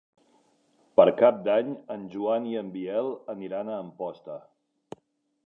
Per Cap d'Any en Joan i en Biel aniran a Amposta.